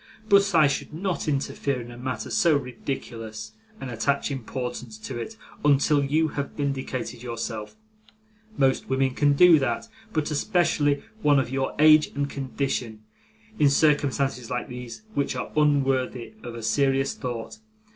But I should not interfere in a matter so ridiculous, and attach importance to it, until you have vindicated yourself. Most women can do that, but especially one of your age and condition, in circumstances like these, which are unworthy of a serious thought.